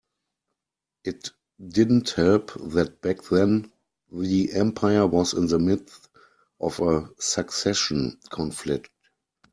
It didn't help that back then the empire was in the midst of a succession conflict.